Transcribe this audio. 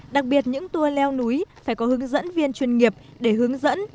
đặc biệt những tour leo núi phải có hướng dẫn viên chuyên nghiệp để hướng dẫn